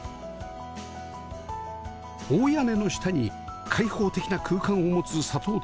大屋根の下に開放的な空間を持つ佐藤邸